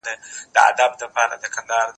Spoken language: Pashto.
زه پرون اوبه پاکوم؟